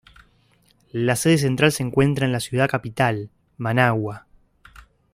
La sede central se encuentra en la ciudad capital, Managua.